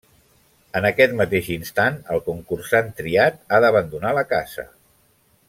En aquest mateix instant, el concursant triat ha d'abandonar la casa.